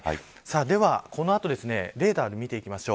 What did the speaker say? では、この後レーダーで見ていきましょう。